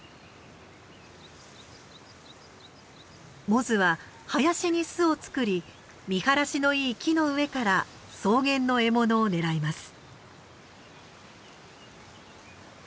モズは林に巣を作り見晴らしのいい木の上から草原の獲物を狙います。